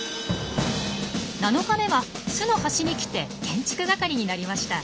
７日目は巣の端に来て建築係になりました。